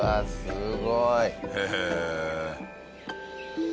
すごい！へえ！